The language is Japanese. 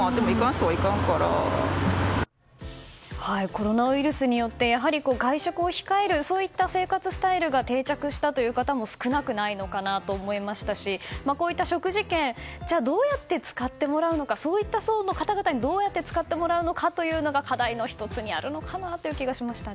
コロナウイルスによって外食を控えるそういった生活スタイルが定着したということも少なくないのかなと思いますしでは、こういった食事券をどうやって使ってもらうのかそういった層の方々にどうやって使ってもらうのかという課題の１つにあるのかなという気がしました。